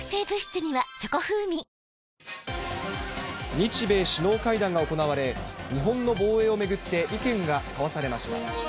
日米首脳会談が行われ、日本の防衛を巡って、意見が交わされました。